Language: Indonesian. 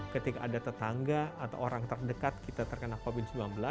ketika ada tetangga atau orang terdekat kita terkena covid sembilan belas